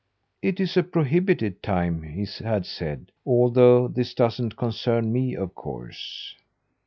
"It is a prohibited time," he had said, "although this doesn't concern me, of course."